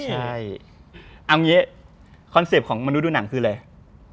ใช่เอางี้คอนเซ็ปต์ของมนุษย์ดูหนังคืออะไร